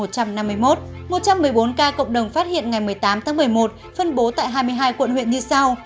một trăm một mươi bốn ca cộng đồng phát hiện ngày một mươi tám tháng một mươi một phân bố tại hai mươi hai quận huyện như sau